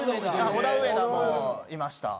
オダウエダもいました。